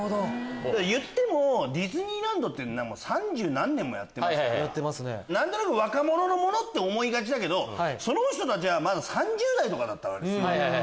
いってもディズニーランドって３０何年もやってますから何となく若者のものって思いがちだけどその人たちがまだ３０代とかだったりするわけ。